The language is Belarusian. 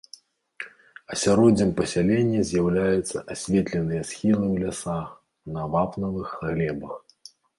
Асяроддзем пасялення з'яўляюцца асветленыя схілы ў лясах на вапнавых глебах.